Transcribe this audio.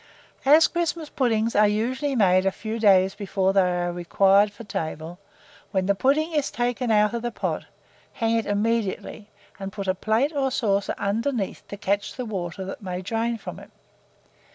As Christmas puddings are usually made a few days before they are required for table, when the pudding is taken out of the pot, hang it up immediately, and put a plate or saucer underneath to catch the water that may drain from it.